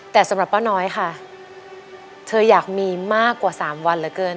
แต่สำหรับป้าน้อยค่ะเธออยากมีมากกว่า๓วันเหลือเกิน